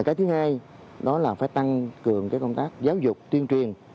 cái thứ hai đó là phải tăng cường công tác giáo dục tuyên truyền